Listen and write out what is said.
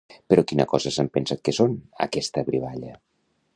Però quina cosa s'han pensat que són, aquesta brivalla?